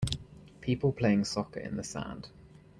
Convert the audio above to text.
People playing soccer in the sand.